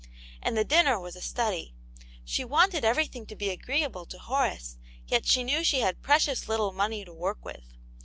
And the dinner was a study. She wanted everything to be agreeable to Horace, yet knew she had precious little money to work with.